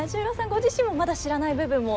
ご自身もまだ知らない部分も？